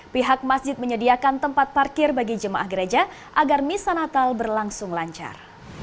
pihak masjid menyediakan tempat parkir bagi jemaah gereja agar misa natal berlangsung lancar